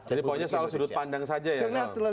jadi poinnya selalu sudut pandang saja ya